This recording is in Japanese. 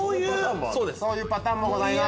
そういうパターンもございます。